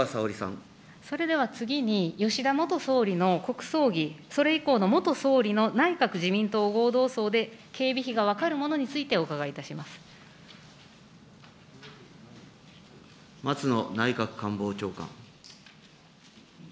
それでは次に吉田元総理の国葬儀、それ以降の元総理の内閣・自民党合同葬で、警備費が分かるものに松野内閣官房長官。